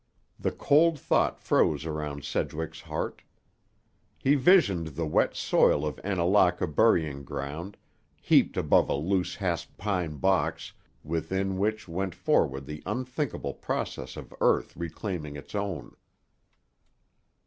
The cold thought froze around Sedgwick's heart. He visioned the wet soil of Annalaka burying ground, heaped above a loose hasped pine box, within which went forward the unthinkable processes of earth reclaiming its own.